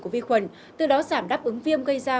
của vi khuẩn từ đó giảm đáp ứng viêm gây ra